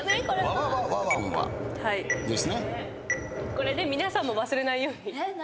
これ皆さんも忘れないように。